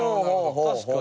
確かに。